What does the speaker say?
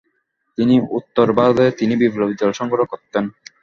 তিনি উত্তর ভারতে তিনি বিপ্লবী দল সংগঠন করতেন।